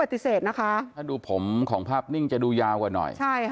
ถ้าดูผมของภาพนิ่งจะดูยาวกว่าหน่อย